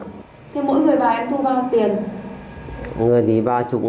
thế mỗi người vào em thu bao nhiêu tiền